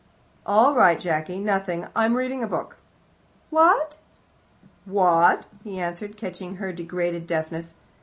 "All right, Jacky, nothing; I'm reading a book." "What?" "What?" he answered, catching her degraded deafness.